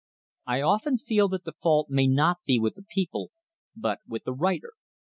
I often feel that the fault may not be with the people, but with the writer.